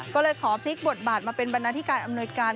ก็เลยขอพลิกบทบาทมาเป็นบรรณาธิการอำนวยการ